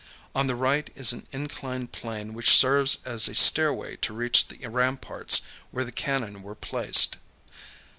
On the right is an inclined plane which serves as a stairway to reach the ramparts where the cannon were placed.